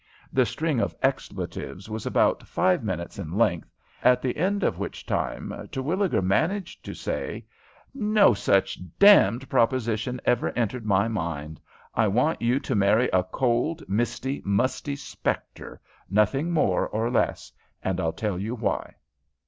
The string of expletives was about five minutes in length, at the end of which time Terwilliger managed to say: "No such d proposition ever entered my mind. I want you to marry a cold, misty, musty spectre, nothing more or less, and I'll tell you why."